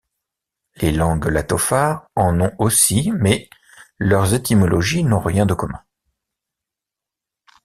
Les langues latofa en ont aussi mais leurs étymologies n'ont rien de commun.